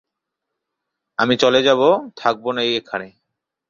দলে তিনি মূলতঃ স্লো লেফট-আর্ম অর্থোডক্স বোলিংয়ে পারদর্শীতা দেখিয়েছেন।